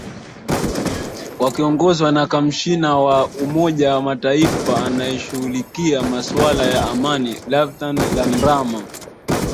wakiongozwa na kamshina wa umoja mataifa anayeshughulikia maswala ya amani lapthan lamrama